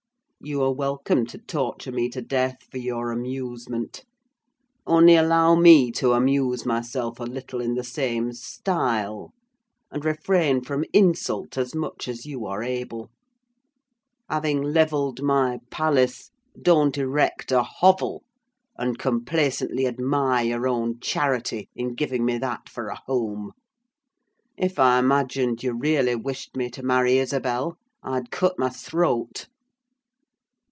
You are welcome to torture me to death for your amusement, only allow me to amuse myself a little in the same style, and refrain from insult as much as you are able. Having levelled my palace, don't erect a hovel and complacently admire your own charity in giving me that for a home. If I imagined you really wished me to marry Isabel, I'd cut my throat!"